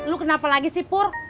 lo kenapa lagi sih pur